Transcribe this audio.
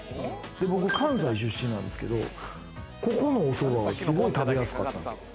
僕関西出身なんですけれども、ここのお蕎麦はすごい食べやすかった。